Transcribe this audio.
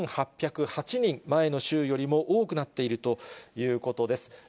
１８０８人、前の週よりも多くなっているということです。